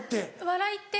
「笑いって」？